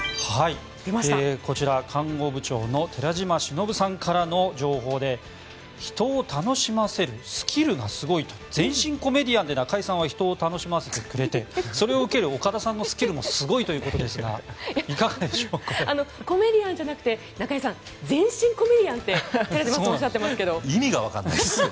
こちら、看護部長の寺島しのぶさんからの情報で人を楽しませるスキルがすごいと全身コメディアンで中井さんは人を楽しませてくれてそれを受ける岡田さんのスキルもすごいということですがコメディアンじゃなくて全身コメディアンって寺島さんおっしゃっていますが。